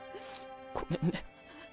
ごめんね。